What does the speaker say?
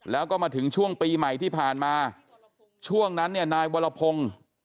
แล้วก็มาถึงช่วงปีใหม่ที่ผ่านมาช่วงนั้นเนี่ยนายวรพงศ์